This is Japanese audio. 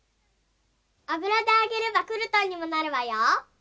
あぶらであげればクルトンにもなるわよ。